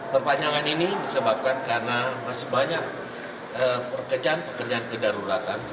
perpanjangan ini disebabkan karena masih banyak pekerjaan pekerjaan kedaruratan